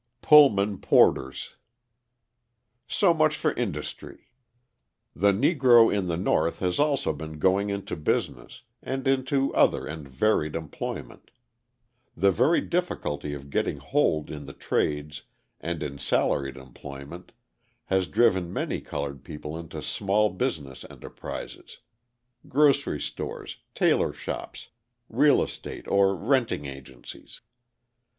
Pullman Porters So much for industry. The Negro in the North has also been going into business and into other and varied employment. The very difficulty of getting hold in the trades and in salaried employment has driven many coloured people into small business enterprises: grocery stores, tailor shops, real estate or renting agencies.